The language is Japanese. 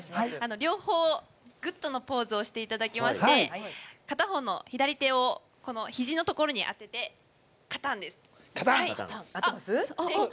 両方、グッとのポーズをしていただきまして片方の左手をひじのところに当てて「勝たん」です。